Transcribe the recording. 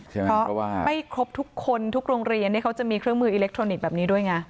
เพราะว่าไม่ครบทุกคนทุกโรงเรียนที่เขาจะมีเครื่องมืออิเล็กทรอนิกส์แบบนี้ด้วยไง